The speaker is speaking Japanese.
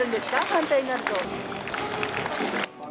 反対になると。